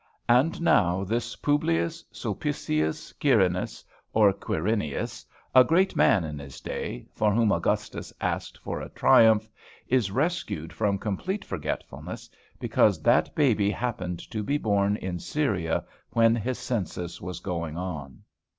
And now this Publius Sulpicius Quirinus or Quirinius, a great man in his day, for whom Augustus asked for a triumph, is rescued from complete forgetfulness because that baby happened to be born in Syria when his census was going on!